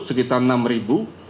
sekitar enam ribu